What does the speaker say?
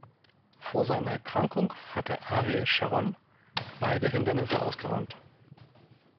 Vor seiner Erkrankung hatte Ariel Sharon beide Hindernisse ausgeräumt.